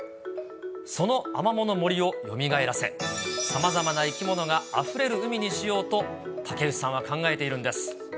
そのアマモの森をよみがえらせ、さまざまな生き物があふれる海にしようと、竹内さんは考えているんです。